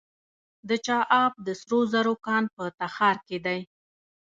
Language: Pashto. د چاه اب د سرو زرو کان په تخار کې دی.